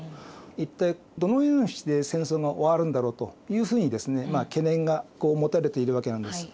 一体どのようにして戦争が終わるんだろうというふうに懸念が持たれているわけなんです。